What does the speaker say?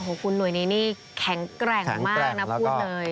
คุณหน่วยนี้นี่แข็งแกร่งมากนะพูดเลย